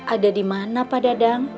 ada dimana pak dadang